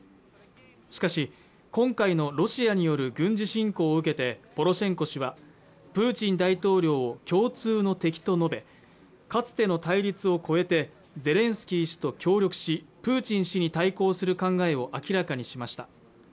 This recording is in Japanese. しかし今回のロシアによる軍事侵攻を受けてポロシェンコ氏はプーチン大統領を共通の敵と述べかつての対立を超えてゼレンスキー氏と協力しプーチン氏に対抗する考えを明らかにしました